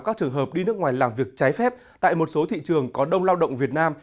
các trường hợp đi nước ngoài làm việc trái phép tại một số thị trường có đông lao động việt nam